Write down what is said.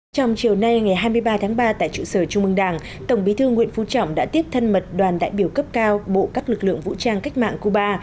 trong chiều nay ngày hai mươi ba tháng ba tại trụ sở trung mương đảng tổng bí thư nguyễn phú trọng đã tiếp thân mật đoàn đại biểu cấp cao bộ các lực lượng vũ trang cách mạng cuba